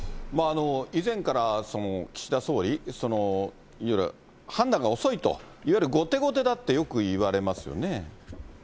以前から岸田総理、いわゆる判断が遅いと、後手後手だとよくいわれますよね。